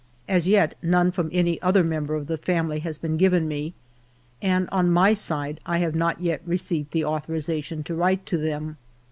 As yet none from any other member of the family has been given me, and, on my side, I have not yet received the authorization to write to them.